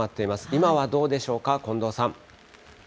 今はどうでしょうか、近藤さん。